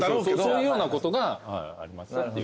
そういうようなことがありますっていう。